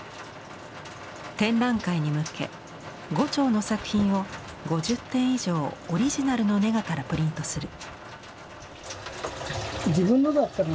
展覧会に向け牛腸の作品を５０点以上オリジナルのネガからプリントする。